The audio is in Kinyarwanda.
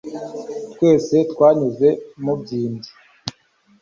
twese twanyuze mubyimbye